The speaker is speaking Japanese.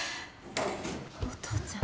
お父ちゃん。